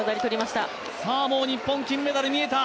もう日本、金メダル見えた。